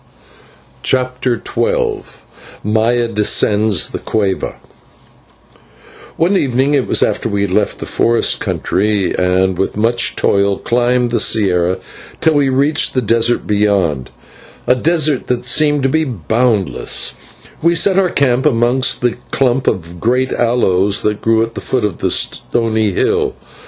CHAPTER XII MAYA DESCENDS THE CUEVA One evening it was after we had left the forest country, and with much toil climbed the /sierra/ till we reached the desert beyond, a desert that seemed to be boundless we set our camp amongst a clump of great aloes that grew at the foot of a stony hill.